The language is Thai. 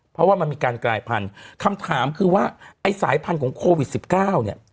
เพราะว่ามันมีการกลายพันธุ์คำถามคือว่าไอ้สายพันธุ์ของโควิด๑๙เนี่ย